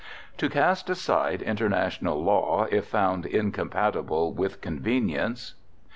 To cast aside international law if found incompatible with convenience.